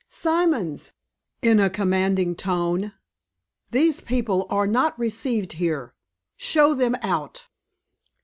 "Simons," in a commanding tone "these people are not received here; show them out."